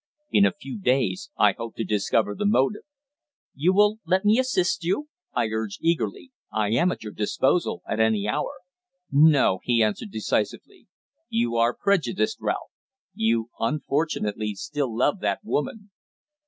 "In a few days I hope to discover the motive." "You will let me assist you?" I urged, eagerly. "I am at your disposal at any hour." "No," he answered, decisively. "You are prejudiced, Ralph. You unfortunately still love that woman."